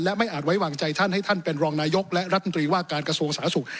และไม่อาจไว้วางใจท่านให้ท่านเป็นรองนายกและรัฐมนตรีว่าการกระทรวงสาธารณสุข